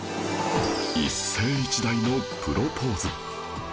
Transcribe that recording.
一世一代のプロポーズ